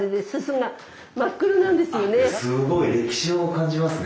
すごい歴史を感じますね。